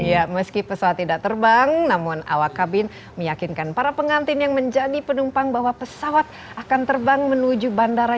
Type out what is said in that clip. ya meski pesawat tidak terbang namun awak kabin meyakinkan para pengantin yang menjadi penumpang bahwa pesawat akan terbang menuju bandara